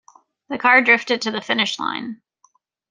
The car drifted to the finish line.